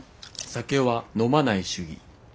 酒は飲まない主義。